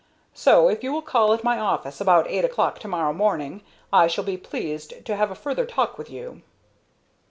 So, if you will call at my office about eight o'clock to morrow morning I shall be pleased to have a further talk with you."